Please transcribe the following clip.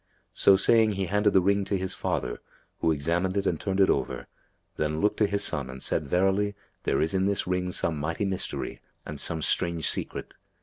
So saying he handed the ring to his father, who examined it and turned it over, then looked to his son and said, "Verily, there is in this ring some mighty mystery and some strange secret.